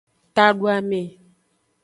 Taduame.